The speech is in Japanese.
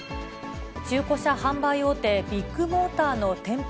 中古車販売大手、ビッグモーターの店舗